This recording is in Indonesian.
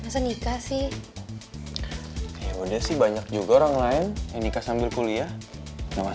eva suami trazer tetap kuliah vielleicht cupid ada minyak makanan my paula class